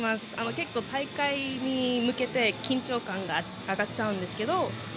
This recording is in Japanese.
結構、大会に向けて緊張感が上がっちゃうんですが。